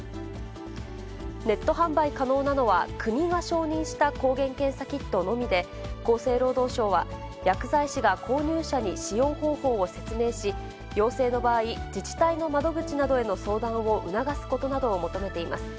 ネット販売可能なのは、国が承認した抗原検査キットのみで、厚生労働省は、薬剤師が購入者に使用方法を説明し、陽性の場合、自治体の窓口などへの相談を促すことなどを求めています。